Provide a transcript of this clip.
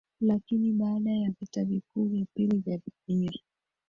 Lakini baada ya Vita vikuu vya pili vya dunia